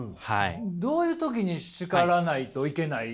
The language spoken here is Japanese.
どういう時に叱らないといけない？